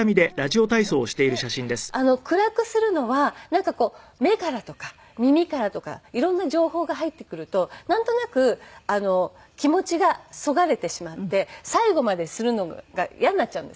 で暗くするのはなんかこう目からとか耳からとか色んな情報が入ってくるとなんとなく気持ちがそがれてしまって最後までするのが嫌になっちゃうんですね。